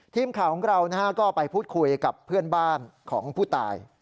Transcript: ทีมข่าวของเราก็ไปพูดคุยกับเพื่อนบ้านของผู้ตาย